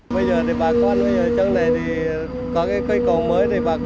bây giờ thì bà con bây giờ chẳng lẽ thì có cái khuyên cầu mới thì bà con rất là vui